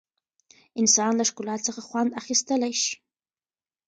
انسان له ښکلا څخه خوند اخیستلی شي.